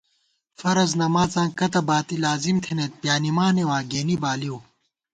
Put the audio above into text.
فرض نماڅاں کتہ باتی لازم تھنَئیت پیانِمانېوا گېنی بالِؤ